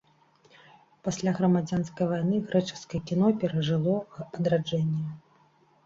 Пасля грамадзянскай вайны грэчаскае кіно перажыло адраджэнне.